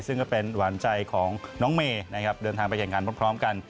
ซึ่งก็เป็นหวานใจของน้องเมย์นะครับเดินทางไปแข่งงานพร้อมกัน